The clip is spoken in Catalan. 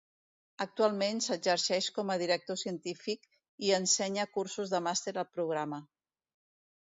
Actualment s'exerceix com a Director Científic i ensenya cursos de màster al programa.